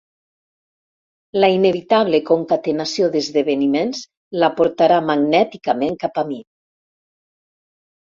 La inevitable concatenació d'esdeveniments la portarà magnèticament cap a mi.